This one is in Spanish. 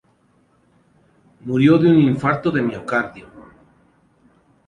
Murió de un infarto de miocardio.